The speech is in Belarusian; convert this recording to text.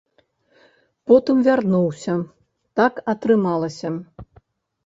Потым вярнуўся, так атрымалася.